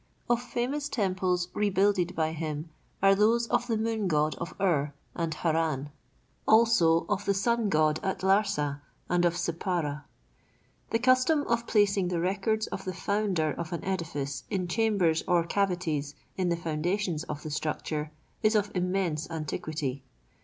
Of famous temples rebuilded by him are those of the Moon God of Ur, and Haran; also of the Sun God at Larsa and of Sippara. The custom of placing the records of the founder of an edifice in chambers or cavities in the foundations of the structure is of immense antiquity.